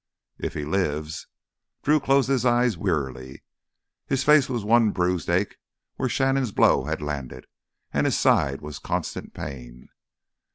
"If he lives." Drew closed his eyes wearily. His face was one bruised ache where Shannon's blow had landed, and his side was constant pain.